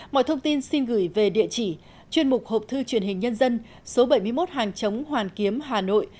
mọi thông tin xin gửi về địa chỉ chuyên mục hộp thư truyền hình nhân dân số bảy mươi một hàng chống hoàn kiếm hà nội